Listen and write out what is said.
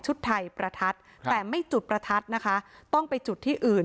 ไทยประทัดแต่ไม่จุดประทัดนะคะต้องไปจุดที่อื่น